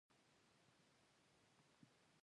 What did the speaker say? پخلی یواځې اړتیا نه ده، بلکې یو هنر دی.